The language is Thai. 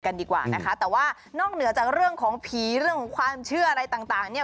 ดีกว่านะคะแต่ว่านอกเหนือจากเรื่องของผีเรื่องของความเชื่ออะไรต่างเนี่ย